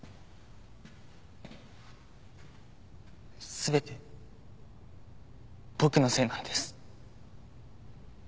全て僕のせいなんです。